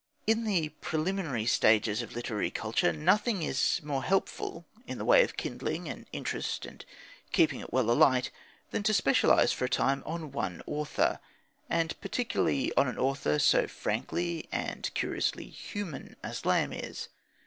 In the preliminary stages of literary culture, nothing is more helpful, in the way of kindling an interest and keeping it well alight, than to specialise for a time on one author, and particularly on an author so frankly and curiously "human" as Lamb is.